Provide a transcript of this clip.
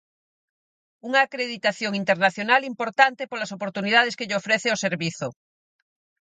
Unha acreditación internacional importante polas oportunidades que lle ofrece ao Servizo.